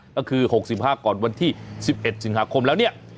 ก็คือ๖๕ก่อนวันที่๑๑สิงหาคมแล้วเนี่ย